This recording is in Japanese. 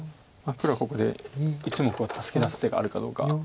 黒はここで１目を助け出す手があるかどうか。